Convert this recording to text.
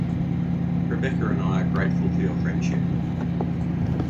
Rebecca and I are grateful for your friendship.